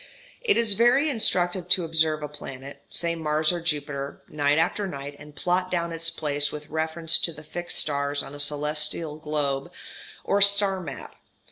It is very instructive to observe a planet (say Mars or Jupiter) night after night and plot down its place with reference to the fixed stars on a celestial globe or star map.